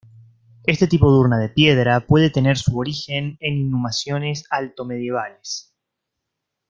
Este tipo de urna de piedra puede tener su origen en inhumaciones altomedievales.